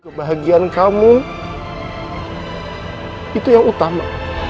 kebahagiaan kamu itu yang utama